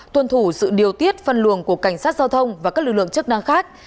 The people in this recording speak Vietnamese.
tuân thủ sự điều tiết phân luồng của cảnh sát giao thông và các lực lượng chức năng khác